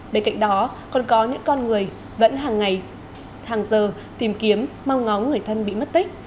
bên cạnh đó còn có những con người vẫn hàng ngày hàng giờ tìm kiếm mong ngóng người thân bị mất tích